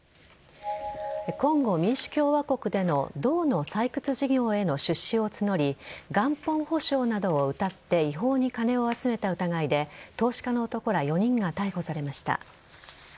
コンゴ民主共和国での銅の採掘事業への出資を募り元本保証などをうたって違法に金を集めた疑いで投資家の男ら４人が逮捕されました。